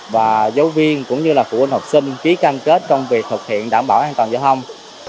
và giáo viên cũng như là phụ huynh học sinh ký cam kết trong việc thực hiện đảm bảo an toàn giao thông